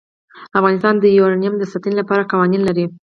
افغانستان د یورانیم د ساتنې لپاره قوانین لري.